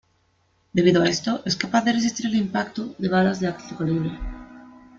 Debido a esto, es capaz de resistir el impacto de balas de alto calibre.